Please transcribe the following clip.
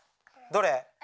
どれ？